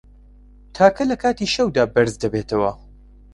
تاکە له کاتی شەودا بەرز دەبێتەوه